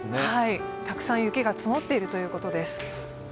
たくさん雪が積もっているということです。